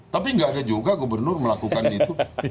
tapi nggak ada juga gubernur melakukan itu